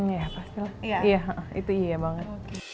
ya pasti lah itu iya banget